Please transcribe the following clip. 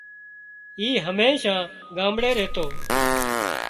اي هميشان ڳامڙي ريتو